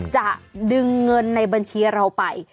จะดึงเงินในบัญชีเราไป